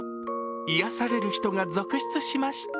癒やされる人が続出しました。